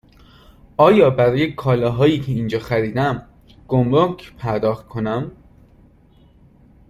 آیا باید برای کالاهایی که اینجا خریدم گمرگ پرداخت کنم؟